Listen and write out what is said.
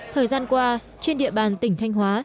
thời gian qua trên địa bàn tỉnh thanh hóa